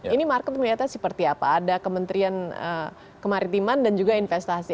ini market melihatnya seperti apa ada kementerian kemaritiman dan juga investasi